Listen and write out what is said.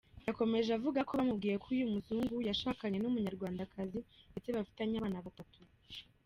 Yakomeje avuga ko bamubwiye ko uyu muzungu yashakanye n’Umunyarwandakazi ndetse bafitanye abana batatu.